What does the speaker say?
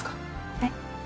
えっ？